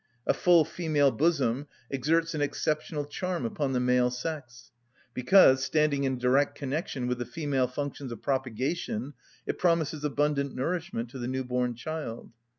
A full female bosom exerts an exceptional charm upon the male sex; because, standing in direct connection with the female functions of propagation, it promises abundant nourishment to the new‐born child.